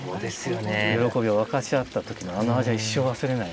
喜びを分かち合った時のあの味は一生忘れないね。